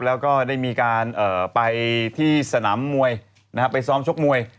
แล้วก็ได้มีการไปที่สนามมวยไปซ้อมชกมวย